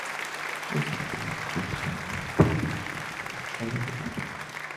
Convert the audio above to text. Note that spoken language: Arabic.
ليس لدي الوقت لشراء ربطة عنق جديدة قبل الوليمة.